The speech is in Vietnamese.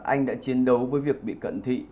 anh đã chiến đấu với việc bị cận thị